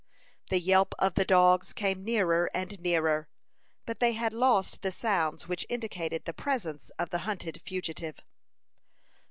The yelp of the dogs came nearer and nearer; but they had lost the sounds which indicated the presence of the hunted fugitive.